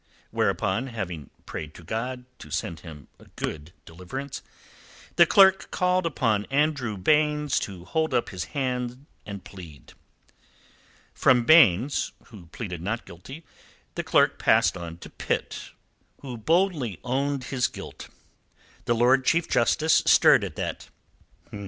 Whereupon, having prayed to God to send him a good deliverance, the clerk called upon Andrew Baynes to hold up his hand and plead. From Baynes, who pleaded not guilty, the clerk passed on to Pitt, who boldly owned his guilt. The Lord Chief Justice stirred at that.